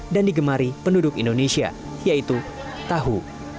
dan digemari penduduk indonesia yaitu tahu